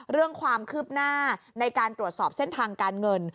เรื่องความคืบหน้าในการตรวจสอบเส้นทางการเงิน